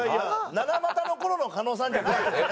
７股の頃の狩野さんじゃないんですね。